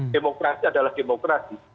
demokrasi adalah demokrasi